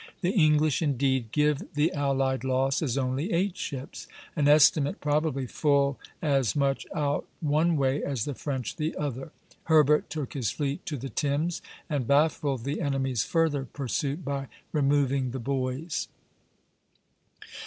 The English indeed give the allied loss as only eight ships, an estimate probably full as much out one way as the French the other. Herbert took his fleet to the Thames, and baffled the enemy's further pursuit by removing the buoys.